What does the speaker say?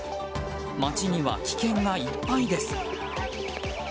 街には危険がいっぱいです。